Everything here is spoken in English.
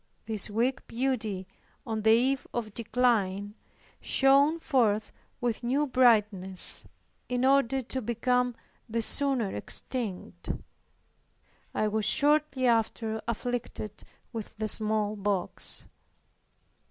This weak beauty, on the eve of decline, shone forth with new brightness, in order to become the sooner extinct. I was shortly after afflicted with the smallpox.